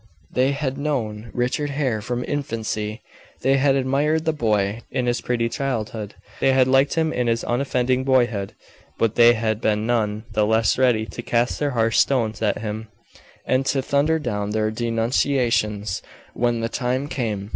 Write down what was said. They had known Richard Hare from infancy they had admired the boy in his pretty childhood they had liked him in his unoffending boyhood, but they had been none the less ready to cast their harsh stones at him, and to thunder down their denunciations when the time came.